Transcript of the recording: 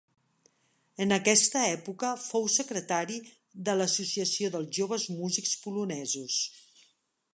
En aquesta època fou secretari de l'Associació dels Joves Músics Polonesos.